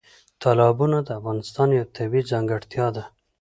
تالابونه د افغانستان یوه طبیعي ځانګړتیا ده.